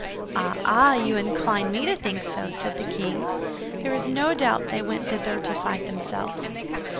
"Ah, ah! You incline me to think so," said the king. "There is no doubt they went thither to fight themselves."